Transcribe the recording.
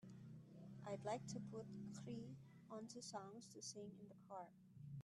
I'd like to put qriii onto songs to sing in the car.